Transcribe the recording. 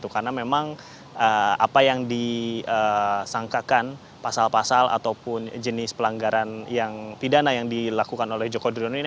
karena memang apa yang disangkakan pasal pasal ataupun jenis pelanggaran yang tidak nah yang dilakukan oleh joko driono ini